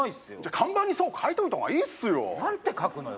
看板にそう書いといた方がいいっすよなんて書くのよ？